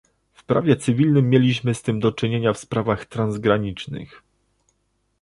W prawie cywilnym mieliśmy z tym do czynienia w sprawach transgranicznych